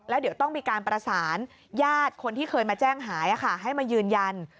แล้วเดี๋ยวต้องมีการประสานญาติคนที่เคยมาแจ้งหายให้มายืนยัน